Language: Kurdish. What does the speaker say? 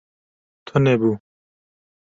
Tunebû